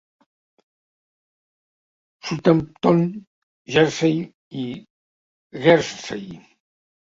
Southampton, Jersey i Guernsey.